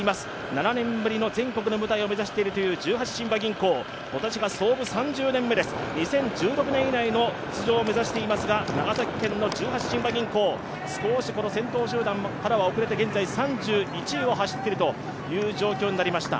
７年ぶりの全国の舞台を目指している十八親和銀行、今年は創部３０年目です、２０１６年以来の出場を果たしていますが長崎県の十八親和銀行、少し先頭集団からは遅れて現在３１位を走っているという状況になりました。